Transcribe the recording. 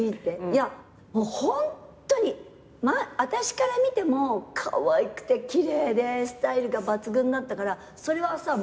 いやホントに私から見てもかわいくて奇麗でスタイルが抜群だったからそれはさ